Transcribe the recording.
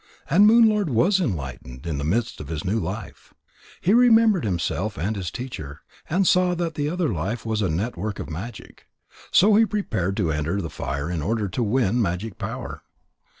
And Moon lord was enlightened in the midst of his new life. He remembered himself and his teacher, and saw that the other life was a network of magic. So he prepared to enter the fire in order to win magic power.